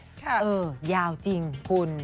เออยาวจริงคุณ